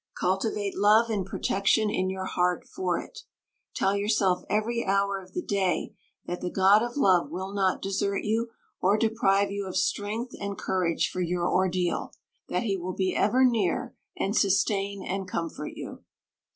Cultivate love and protection in your heart for it. Tell yourself every hour of the day that the God of love will not desert you or deprive you of strength and courage for your ordeal. That he will be ever near, and sustain and comfort you.